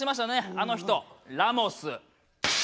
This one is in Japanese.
あの人ラモス。